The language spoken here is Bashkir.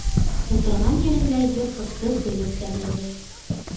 Ултырған ерендә йыртыҡты тегеп тә бирҙе.